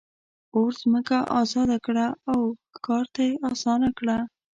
اور ځمکه آزاده کړه او ښکار ته یې آسانه کړه.